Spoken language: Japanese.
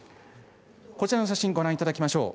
こちらの写真、ご覧いただきましょう。